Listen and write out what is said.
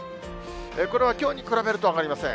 これはきょうに比べると上がりません。